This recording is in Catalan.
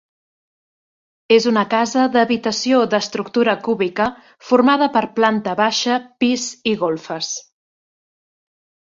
És una casa d'habitació d'estructura cúbica formada per planta baixa, pis i golfes.